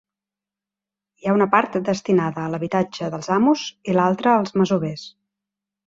Hi ha una part destinada a l'habitatge dels amos i l'altra als masovers.